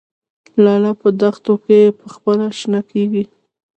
لاله په دښتو کې پخپله شنه کیږي